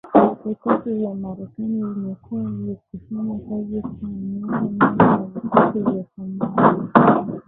Vikosi vya Marekani vimekuwa vikifanya kazi kwa miaka mingi na vikosi vya Somalia